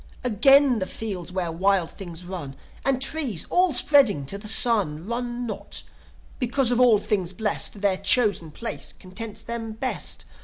"Again the fields where wild things run! And trees, all spreading to the sun, Run not, because, of all things blest, Their chosen place contents them best.